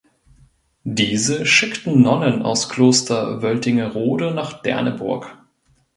Diese schickten Nonnen aus Kloster Wöltingerode nach Derneburg.